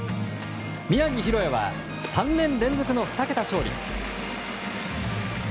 宮城大弥は３年連続の２桁勝利。